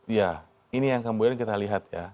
iya ini yang kemudian kita lihat ya